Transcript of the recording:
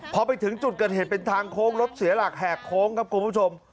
พอไปถึงจุดเกิดเหตุเป็นทางโค้งรถเสียหลักแหกโค้งครับคุณผู้ชม